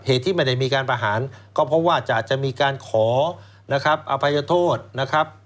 ที่ไม่ได้มีการประหารก็เพราะว่าจะมีการขอนะครับอภัยโทษนะครับ